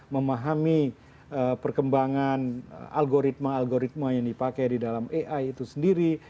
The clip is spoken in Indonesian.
memahami perkembangan algoritma algoritma yang dipakai di dalam ai itu sendiri